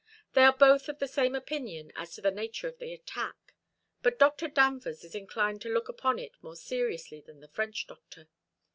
They are both of the same opinion as to the nature of the attack; but Dr. Danvers is inclined to look upon it more seriously than the French doctor.